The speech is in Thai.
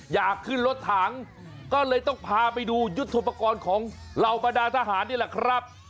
อยากขึ้นรถถังก็เลยต้องพาไปดูยุทธโปรกรณ์ของเหล่าบรรดาทหารนี่แหละครับ